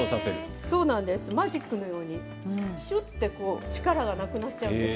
マジックのように、しゅっと力がなくなってしまうんです。